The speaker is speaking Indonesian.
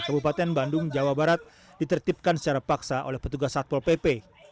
kabupaten bandung jawa barat ditertibkan secara paksa oleh petugas satpol pp